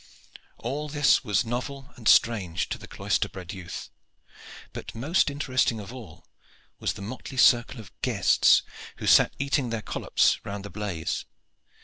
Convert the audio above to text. All this was novel and strange to the cloister bred youth; but most interesting of all was the motley circle of guests who sat eating their collops round the blaze.